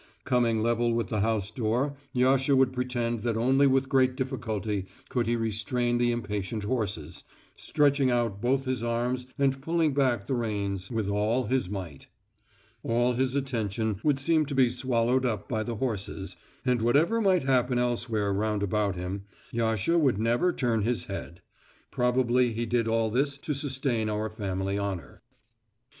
Coming level with the house door Yasha would pretend that only with great difficulty could he restrain the impatient horses, stretching out both his arms and pulling back the reins with all his might. All his attention would seem to be swallowed up by the horses, and whatever might happen elsewhere round about him, Yasha would never turn his head. Probably he did all this to sustain our family honour.